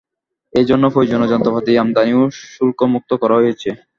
এ জন্য প্রয়োজনীয় যন্ত্রপাতি আমদানিও শুল্কমুক্ত করা হয়েছে।